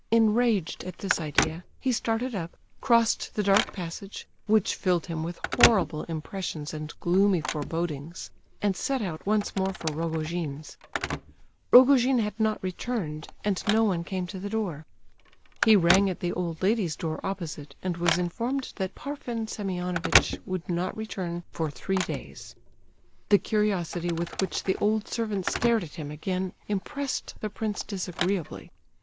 Enraged at this idea, he started up, crossed the dark passage (which filled him with horrible impressions and gloomy forebodings), and set out once more for Rogojin's. Rogojin had not returned, and no one came to the door. He rang at the old lady's door opposite, and was informed that Parfen Semionovitch would not return for three days. The curiosity with which the old servant stared at him again impressed the prince disagreeably.